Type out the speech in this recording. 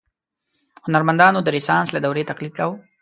هنرمندانو د رنسانس له دورې تقلید کاوه.